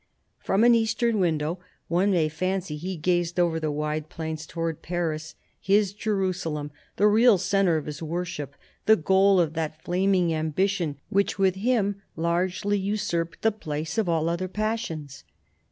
From an eastern window, one may fancy, he gazed over the wide plains towards Paris, his Jerusalem, the real centre of his worship, the goal of that flaming ambition which, with him, largely usurped the THE BISHOP OF LUgON 49 place of all other passions.